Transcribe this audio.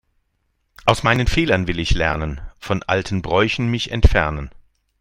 Aus meinen Fehlern will ich lernen, von alten Bräuchen mich entfernen.